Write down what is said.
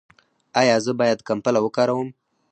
ایا زه باید کمپله وکاروم؟